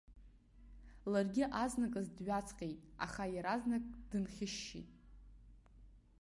Ларгьы азныказ дҩаҵҟьеит, аха иаразнак дынхьышьшьит.